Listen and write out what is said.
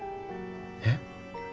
えっ？